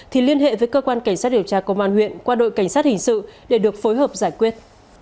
thì liên hệ với cơ quan cảnh sát điều tra công an huyện qua đội cảnh sát hình sự để được phối hợp giải quyết